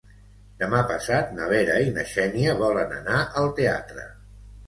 Demà passat na Vera i na Xènia volen anar al teatre.